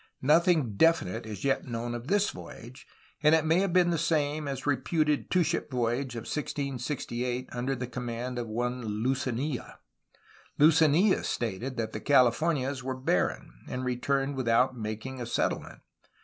Nothing definite is yet known of this voyage, and it may have been the same as a reputed two ship voyage of 1668 under the command of one Lucenilla. Lucenilla stated that the Californias were barren, and returned without making a settlement.